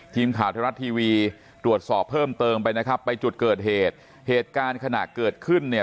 ทีมข่าวไทยรัฐทีวีตรวจสอบเพิ่มเติมไปนะครับไปจุดเกิดเหตุเหตุการณ์ขณะเกิดขึ้นเนี่ย